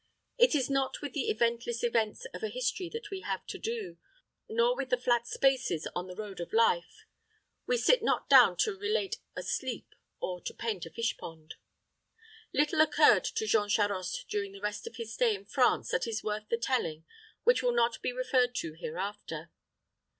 It is not with the eventless events of a history that we have to do not with the flat spaces on the road of life. We sit not down to relate a sleep or to paint a fishpond. Little occurred to Jean Charost during the rest of his stay in France that is worth the telling which will not be referred to hereafter.